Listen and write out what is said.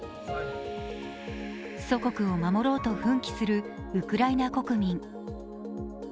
祖国を守ろうと奮起するウクライナ国民。